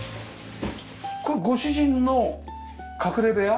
これご主人の隠れ部屋？